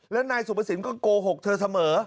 แล้วนายสุภสินก็โกหกเธอเสมอ